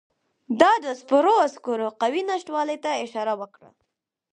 ده د سپرو عسکرو قوې نشتوالي ته اشاره وکړه.